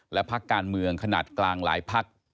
และพักการเมืองขนาดกลางหลายพัก